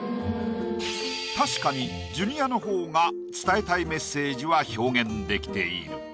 確かにジュニアの方が伝えたいメッセージは表現できている。